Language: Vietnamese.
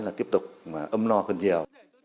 là tiếp tục ấm no hơn nhiều